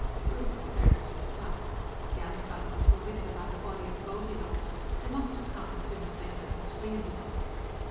Ruth Ortheris looked up. The other Fuzzies were with her by the body of Goldilocks; they must have come as soon as they had heard the screaming.